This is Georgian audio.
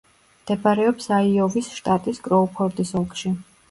მდებარეობს აიოვის შტატის კროუფორდის ოლქში.